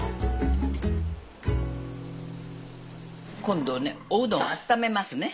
今度ねおうどんあっためますね。